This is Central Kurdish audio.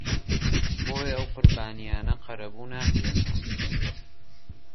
بۆیە ئەو قوربانییانە قەرەبوو ناکرێنەوە